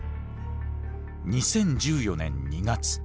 ２０１４年２月。